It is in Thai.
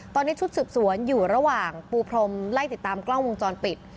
ตอนนี้ชุดสืบสวนอยู่ระหว่างปูพรมไล่ติดตามกล้องวงจรปิด